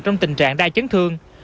trong tình trạng đai chấn thương